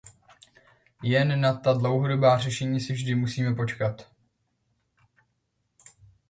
Jen na ta dlouhodobá řešení si vždy musíme počkat.